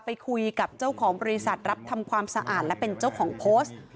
ไปคุยกับเจ้าของบริษัทรับทำความสะอาดและเป็นเจ้าของโพสต์